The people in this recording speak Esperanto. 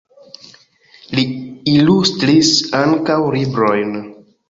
Li ilustris ankaŭ librojn.